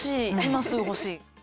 欲しい。